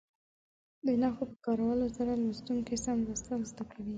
د نښو په کارولو سره لوستونکي سم لوستل زده کوي.